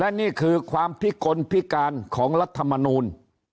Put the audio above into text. และนี่คือความพิกลพิการของรัฐมนูล